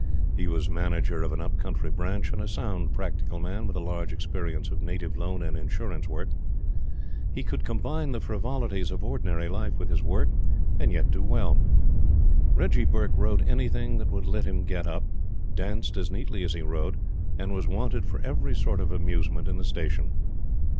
He was manager of an up country Branch, and a sound practical man with a large experience of native loan and insurance work. He could combine the frivolities of ordinary life with his work, and yet do well. Reggie Burke rode anything that would let him get up, danced as neatly as he rode, and was wanted for every sort of amusement in the Station.